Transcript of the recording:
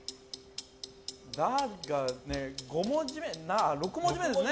「だ」が６文字目ですね。